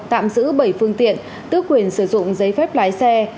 tạm giữ bảy phương tiện tước quyền sử dụng giấy phép lái xe